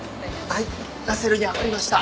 はいナセルに上がりました！